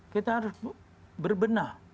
kita harus berbenah